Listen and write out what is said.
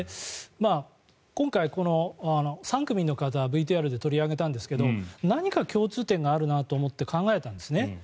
今回、３組の方ＶＴＲで取り上げたんですが何か共通点があるなって考えたんですね。